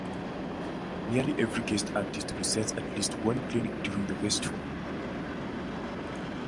Nearly every guest artist presents at least one clinic during the festival.